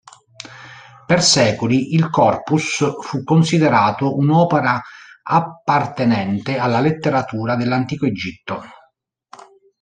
Per secoli il "Corpus" fu considerato un'opera appartenente alla letteratura dell'Antico Egitto.